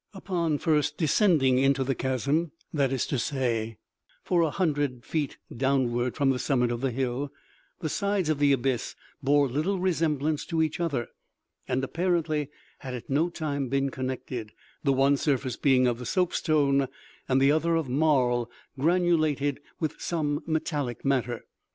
Upon first descending into the chasm, that is to say, for a hundred feet downward from the summit of the hill, the sides of the abyss bore little resemblance to each other, and, apparently, had at no time been connected, the one surface being of the soapstone, and the other of marl, granulated with some metallic matter.